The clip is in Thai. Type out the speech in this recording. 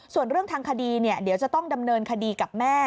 ส่วนเรื่องทางคดีเดี๋ยวจะต้องดำเนินคดีกับแม่